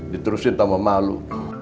diterusin sama malu